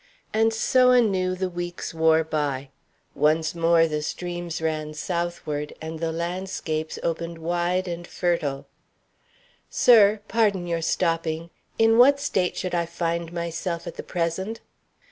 And so anew the weeks wore by. Once more the streams ran southward, and the landscapes opened wide and fertile. "Sir, pardon your stopping, in what State should I find myself at the present?"